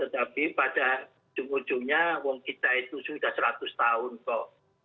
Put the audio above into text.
tapi pada ujung ujungnya wong kita itu sudah seratus tahun kok